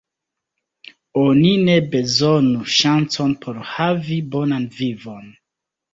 Oni ne bezonu ŝancon por havi bonan vivon.